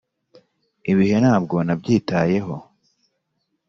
ibihe ntabwo nabyitayeho.